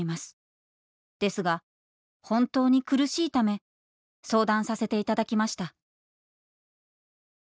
ですが本当に苦しいため相談させていただきました」。